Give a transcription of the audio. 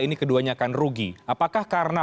ini keduanya akan rugi apakah karena